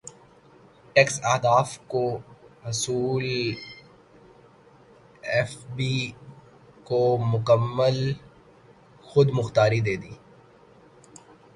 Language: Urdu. ٹیکس اہداف کا حصولایف بی کو مکمل خود مختاری دے دی